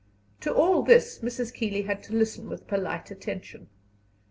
To all this Mrs. Keeley had to listen with polite attention.